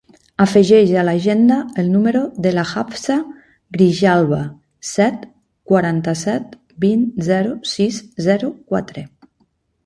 Afegeix a l'agenda el número de la Hafsa Grijalba: set, quaranta-set, vint, zero, sis, zero, quatre.